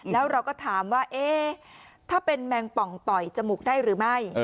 แล้วเราก็ถามว่าถ้าเป็นแมงป่องต่อยจมูกได้หรือไม่